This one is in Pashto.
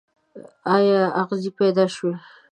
ایا اغزی پیدا شو.